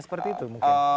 seperti itu mungkin